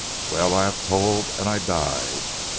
Well I have told and I die.